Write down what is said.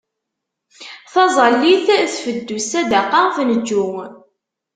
Taẓallit tfeddu, ssadaqa tneǧǧu.